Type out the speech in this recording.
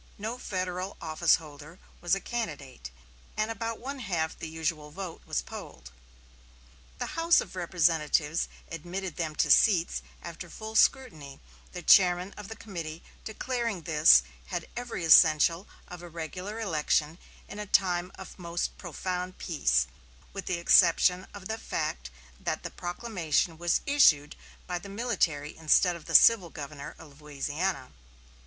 No Federal office holder was a candidate, and about one half the usual vote was polled. The House of Representatives admitted them to seats after full scrutiny, the chairman of the committee declaring this "had every essential of a regular election in a time of most profound peace, with the exception of the fact that the proclamation was issued by the military instead of the civil governor of Louisiana."